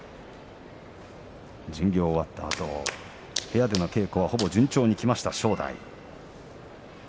巡業が終わったあと部屋での稽古はほぼ順調にいきました正代。